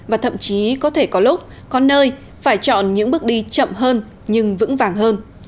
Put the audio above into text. và thậm chí có thể có lúc có nơi phải chọn những bước đi chậm hơn nhưng vững vàng hơn